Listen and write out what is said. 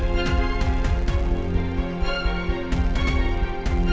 sampai jumpa tante